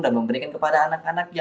dan memberikan kepada anak anak